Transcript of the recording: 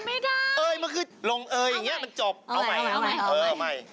พี่นึกถึงเพื่อนบ้างสิครับ